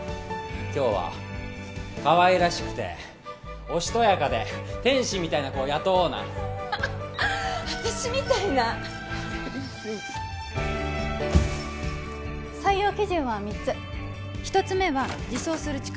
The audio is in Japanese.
今日はかわいらしくておしとやかで天使みたいな子を雇おうな私みたいな採用基準は３つ１つ目は自走する力